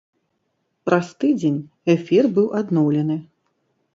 Праз тыдзень эфір быў адноўлены.